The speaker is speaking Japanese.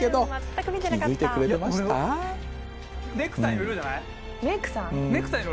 全く見てなかったじゃあ